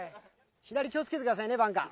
左気をつけてくださいねバンカー。